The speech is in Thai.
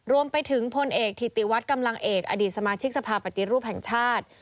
รวมไปถึงพลเอกถิติวัฒน์กำลังเอกอดีตสมาชิกสภาพปฏิรูปแห่งชาติ